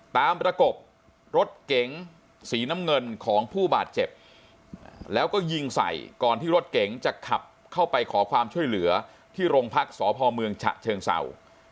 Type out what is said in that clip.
ประกบรถเก๋งสีน้ำเงินของผู้บาดเจ็บแล้วก็ยิงใส่ก่อนที่รถเก๋งจะขับเข้าไปขอความช่วยเหลือที่โรงพักษพเมืองฉะเชิงเศร้า